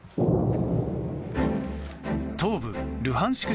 東部ルハンシク